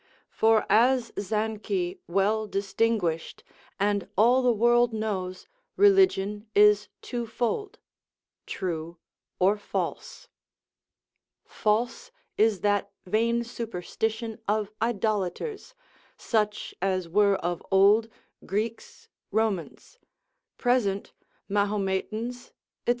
For as Zanchy well distinguished, and all the world knows religion is twofold, true or false; false is that vain superstition of idolaters, such as were of old, Greeks, Romans, present Mahometans, &c.